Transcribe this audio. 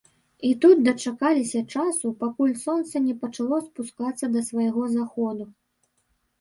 І тут дачакаліся часу, пакуль сонца не пачало спускацца да свайго заходу.